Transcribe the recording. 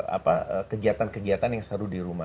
apa kegiatan kegiatan yang seru di rumah